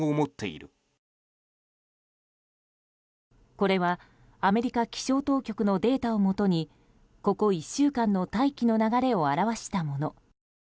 これはアメリカ気象当局のデータをもとにここ１週間の大気の流れを表したもの。